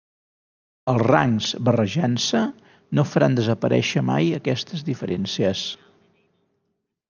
Els rangs, barrejant-se, no faran desaparèixer mai aquestes diferències.